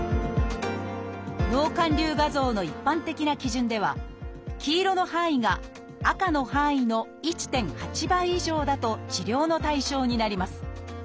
脳灌流画像の一般的な基準では黄色の範囲が赤の範囲の１．８倍以上だと治療の対象になります。